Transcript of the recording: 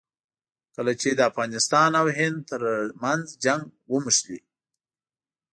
کله چې د افغانستان او هند ترمنځ جنګ ونښلي.